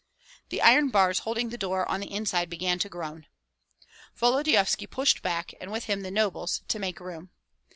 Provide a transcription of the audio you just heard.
The iron bars holding the door on the inside began to groan. Volodyovski pushed back, and with him the nobles, to make room.